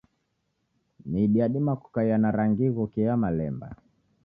Midi yadima kukaia na rangi ighokie ya malemba.